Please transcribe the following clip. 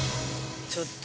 ちょっと。